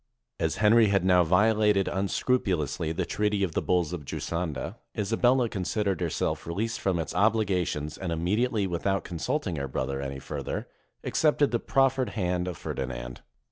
As Henry had now violated un scrupulously the treaty of the Bulls of Giusanda, Isa bella considered herself released from its obligations, and immediately, without consulting her brother any further, accepted the proffered hand of Ferdinand.